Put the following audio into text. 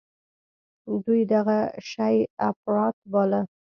دوى دغه شى اپرات باله.